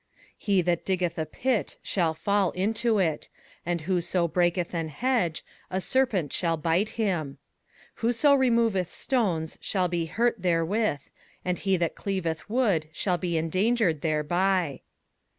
21:010:008 He that diggeth a pit shall fall into it; and whoso breaketh an hedge, a serpent shall bite him. 21:010:009 Whoso removeth stones shall be hurt therewith; and he that cleaveth wood shall be endangered thereby.